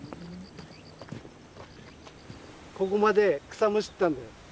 ここまで草むしったんだよ。